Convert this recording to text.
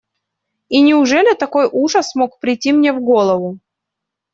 И неужели такой ужас мог прийти мне в голову?